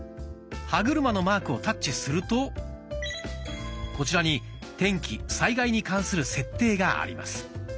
歯車のマークをタッチするとこちらに「天気・災害に関する設定」があります。